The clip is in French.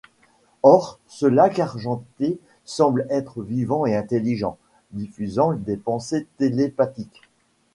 Or ce lac argenté semble être vivant et intelligent, diffusant des pensées télépathiques.